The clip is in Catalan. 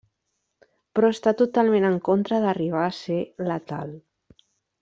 Però està totalment en contra d'arribar a ser letal.